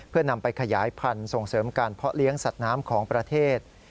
เพื่อนำไปขยายพันธุ์ส่งเสริมการเพาะเลี้ยงสัตว์น้ำของประเทศ